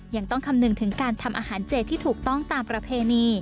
ยังต้องคำนึงถึงการทำอาหารเจที่ถูกต้องตามประเพณี